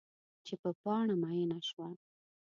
چې په پاڼه میینه شوه